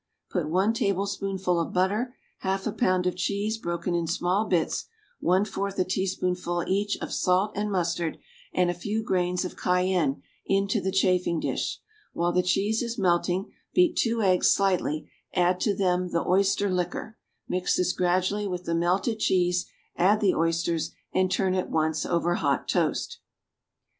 Put one tablespoonful of butter, half a pound of cheese broken in small bits, one fourth a teaspoonful, each, of salt and mustard and a few grains of cayenne into the chafing dish. While the cheese is melting, beat two eggs slightly, and add to them the oyster liquor; mix this gradually with the melted cheese, add the oysters, and turn at once over hot toast.